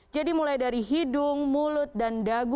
jadi mulai dari hidung mulut dan dagu